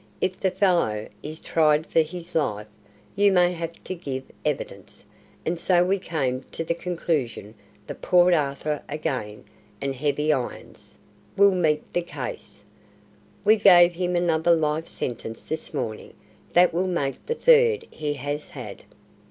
If the fellow is tried for his life, you may have to give evidence, and so we came to the conclusion that Port Arthur again, and heavy irons, will meet the case. We gave him another life sentence this morning. That will make the third he has had."